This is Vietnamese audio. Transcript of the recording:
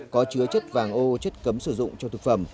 có chứa chất vàng ô chất cấm sử dụng cho thực phẩm